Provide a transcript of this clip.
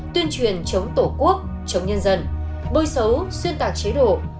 tuyên truyền chống tổ quốc chống nhân dân bôi xấu xuyên tạc chế độ